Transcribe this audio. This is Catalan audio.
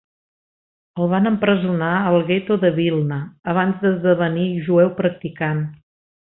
El van empresonar al Gueto de Vilna abans d'esdevenir jueu practicant.